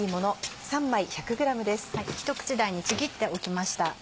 一口大にちぎっておきました。